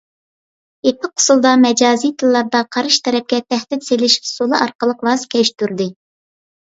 يېپىق ئۇسۇلدا، مەجازىي تىللاردا قارشى تەرەپكە تەھدىت سېلىش ئۇسۇلى ئارقىلىق ۋاز كەچتۈردى.